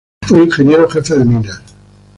Fue ingeniero jefe de minas.